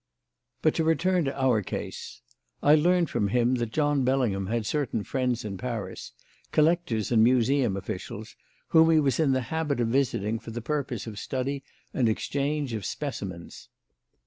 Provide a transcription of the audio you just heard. But to return to our case. I learned from him that John Bellingham had certain friends in Paris collectors and museum officials whom he was in the habit of visiting for the purpose of study and exchange of specimens.